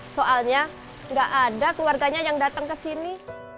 soalnya nggak ada keluarganya yang datang ke sini